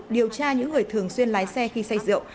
điều tra những người thường xuyên lái xe khi say rượu